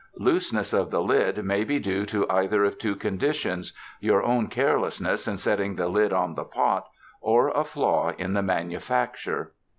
Looseness of the lid may be due to either of two conditions — your own carelessness in setting the lid on the pot, or a flaw in the manufac ture.